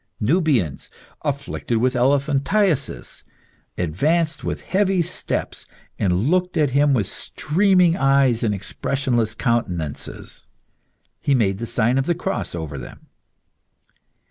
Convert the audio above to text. Nubians, afflicted with elephantiasis, advanced with heavy steps and looked at him with streaming eyes and expressionless countenances. He made the sign of the cross over them.